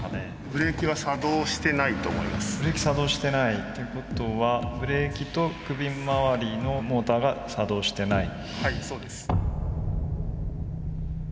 ブレーキ作動してないっていうことはブレーキと首周りのモーターが作動してない。